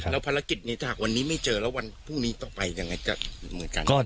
แล้วภารกิจนี้ถ้าหากวันนี้ไม่เจอแล้ววันพรุ่งนี้ต่อไปยังไงก็เหมือนกัน